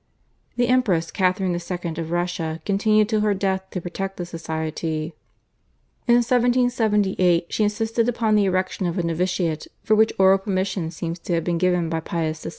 The Empress Catherine II. of Russia continued till her death to protect the Society. In 1778 she insisted upon the erection of a novitiate, for which oral permission seems to have been given by Pius VI.